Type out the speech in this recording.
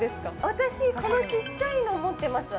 私このちっちゃいの持ってます